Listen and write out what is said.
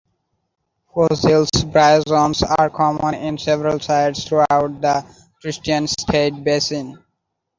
Fossils of bryozoans are common in several sites throughout the Kristianstad Basin.